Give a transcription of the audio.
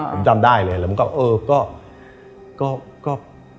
ผมจำได้เลยแล้วมันก็เออก็